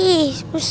itu user di kthink